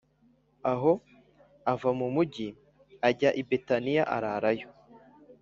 aho ava mu mugi ajya i Betaniya ararayo